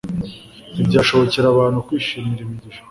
Ntibyashobokera abantu kwishimira imigisha